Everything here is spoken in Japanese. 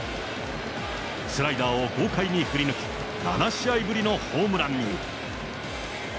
スライダーを豪快に振り抜き、７試合ぶりのホームランに。